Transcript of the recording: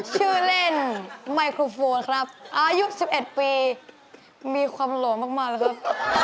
ชื่อเล่นไมโครโฟนครับอายุ๑๑ปีมีความหล่อมากเลยครับ